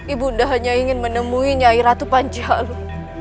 ibu nda hanya ingin menemuinya i ratu panji alu